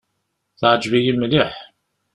Teɛǧeb-iyi mliḥ.